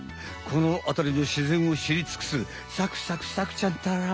このあたりのしぜんをしりつくすサクサクサクちゃんったら。